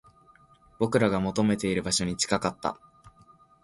僕らが求めている場所に近かった